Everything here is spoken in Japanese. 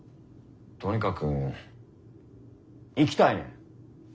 とにかく行きたいねん。